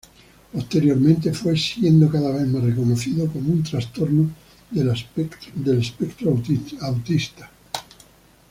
Posteriormente, fue siendo cada vez más reconocido como un trastorno del espectro autista.